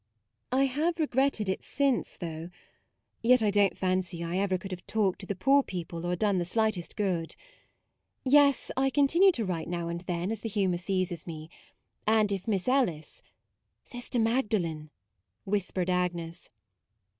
I have regretted it since, though: yet 46 MAUDE I do n't fancy I ever could have talked to the poor people or done the slight est good. Yes, I continue to write now and then as the humour seizes me; and if Miss Ellis "" Sister Magdalen," whispered Ag nes.